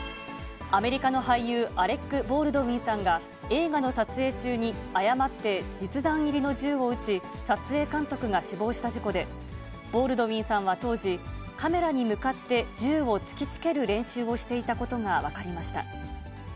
アメリカの俳優、アレック・ボールドウィンさんが、映画の撮影中に誤って実弾入りの銃を撃ち、撮影監督が死亡した事故で、ボールドウィンさんは当時、カメラに向かって銃を突きつける練習をしていたことが分かりました。